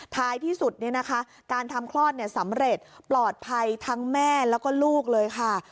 ท้ายที่สุดการทำคลอดสำเร็จปลอดภัยทั้งแม่แล้วก็ลูกเลยค่ะ